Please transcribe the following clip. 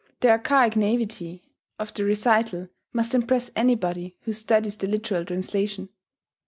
The archaic naivete of the recital must impress anybody who studies the literal translation.